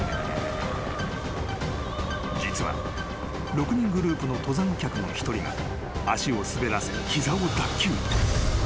［実は６人グループの登山客の１人が足を滑らせ膝を脱臼］